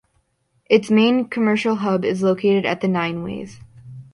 Its main commercial hub is located at the "Nineways".